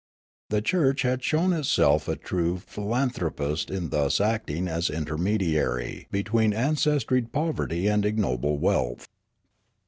The church had shown itself a true philanthropist in thus acting as intermediarj^ between ancestried poverty and ignoble wealth.